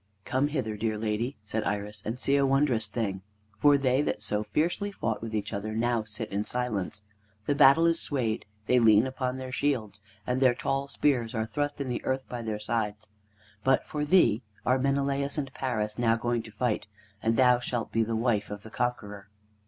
"Come hither, dear lady," said Iris, "and see a wondrous thing. For they that so fiercely fought with each other, now sit in silence. The battle is stayed; they lean upon their shields, and their tall spears are thrust in the earth by their sides. But for thee are Menelaus and Paris now going to fight, and thou shalt be the wife of the conqueror."